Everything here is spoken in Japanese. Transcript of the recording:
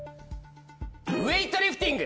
ウエイトリフティング！